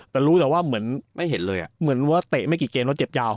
แต่รู้แต่ว่าเหมือนไม่เห็นเลยอ่ะเหมือนว่าเตะไม่กี่เกมว่าเจ็บยาว